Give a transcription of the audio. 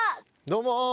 どうも。